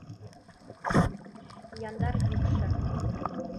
Яндар йӱкшӧ